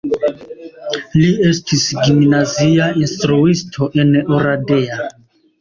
Li estis gimnazia instruisto en Oradea.